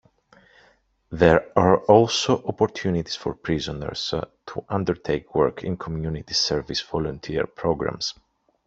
There are also opportunities for prisoners to undertake work in Community Service Volunteer programmes.